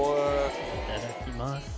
いただきます。